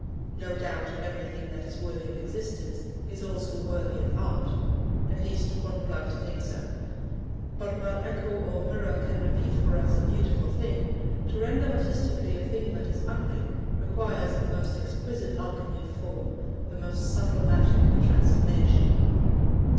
No doubt, everything that is worthy of existence is worthy also of art at least, one would like to think so but while echo or mirror can repeat for us a beautiful thing, to render artistically a thing that is ugly requires the most exquisite alchemy of form, the most subtle magic of transformation.